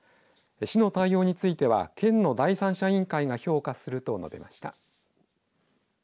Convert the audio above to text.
市の対応については県の第三者委員会が評価すると述べました。